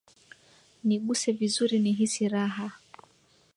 Niguse vizuri nihisi raha